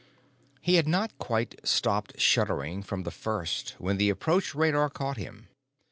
He had not quite stopped shuddering from the first when the approach radar caught him.